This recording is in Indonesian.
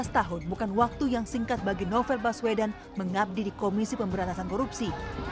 lima belas tahun bukan waktu yang singkat bagi novel baswedan mengabdi di komisi pemberantasan korupsi